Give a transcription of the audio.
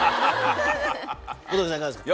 小峠さん、いかがですか。